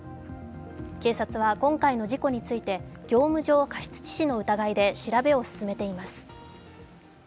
警察は今回の事故について、業務上過失致死の疑いで調べを進めています。